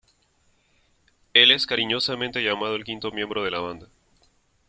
Él es cariñosamente llamado el quinto miembro de la banda.